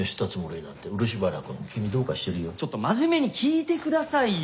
ちょっと真面目に聞いて下さいよ！